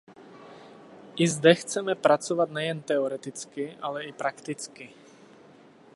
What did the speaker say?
I zde chceme pracovat nejen teoreticky, ale i prakticky.